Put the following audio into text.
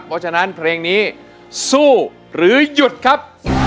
เพราะฉะนั้นเพลงนี้สู้หรือหยุดครับ